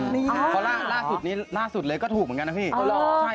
เพราะล่าสุดนี้ล่าสุดเลยก็ถูกเหมือนกันนะพี่